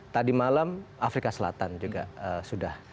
tadi malam afrika selatan juga sudah